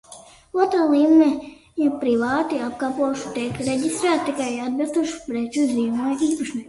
Otrā līmeņa privāti apakšdomēni tiek reģistrēti tikai atbilstošo preču zīmju īpašniekiem.